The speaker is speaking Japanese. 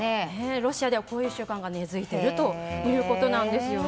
ロシアではこういう習慣が根付いているということです。